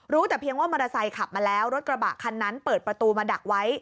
แต่เพียงว่ามอเตอร์ไซค์ขับมาแล้วรถกระบะคันนั้นเปิดประตูมาดักไว้